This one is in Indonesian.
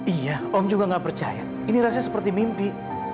iya om juga nggak percaya ini rasanya seperti mimpi